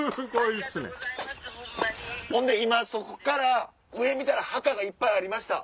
ほんで今そこから上見たら墓がいっぱいありました。